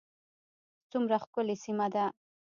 څومره ښکلې سیمه ده